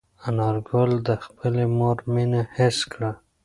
انارګل د خپلې مور مینه حس کړه.